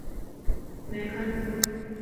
مين کان نه ٻول.